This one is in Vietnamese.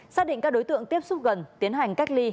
xác định các đối tượng tiếp xúc gần tiến hành cách ly